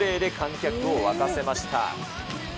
ビッグプレーで観客を沸かせました。